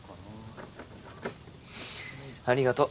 ありがとう。